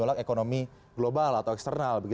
adalah gejolak ekonomi global atau eksternal